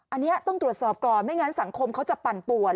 อันนี้ต้องตรวจสอบก่อนไม่งั้นสังคมเขาจะปั่นป่วน